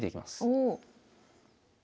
おお。